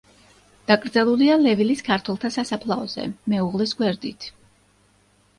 დაკრძალულია ლევილის ქართველთა სასაფლაოზე, მეუღლის გვერდით.